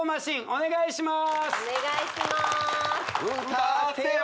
お願いします